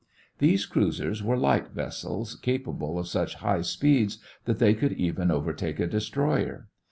These cruisers were light vessels capable of such high speeds that they could even overtake a destroyer.